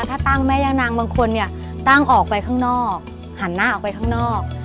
ถ้าตั้งแม่ย่านางบางคนเนี่ยตั้งออกไปข้างนอกหันหน้าออกไปข้างนอก